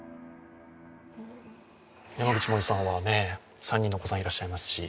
山口もえさんは３人のお子さんがいらっしゃいますし。